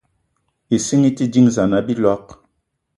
Ìsínga í te dínzan á bíloig